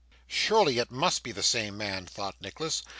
'Surely it must be the same man,' thought Nicholas.